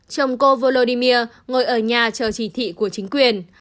chồng cô volodymir ngồi ở nhà chờ chỉ thị của chính quyền